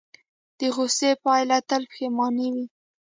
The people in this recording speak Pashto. د غوسې پایله تل پښیماني وي.